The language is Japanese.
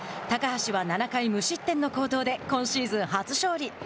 高橋は、７回無失点の好投で今シーズン初勝利。